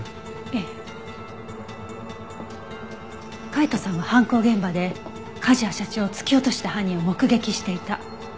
海斗さんは犯行現場で梶谷社長を突き落とした犯人を目撃していた。